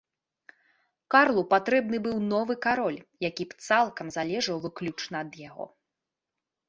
Карлу патрэбны быў новы кароль, які б цалкам залежаў выключна ад яго.